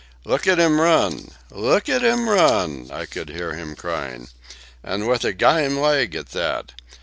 "Look at 'im run! Look at 'im run!" I could hear him crying. "An' with a gyme leg at that!